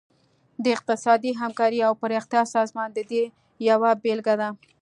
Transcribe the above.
د اقتصادي همکارۍ او پراختیا سازمان د دې یوه بیلګه ده